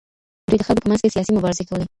دوی د خلګو په منځ کي سياسي مبارزې کولې.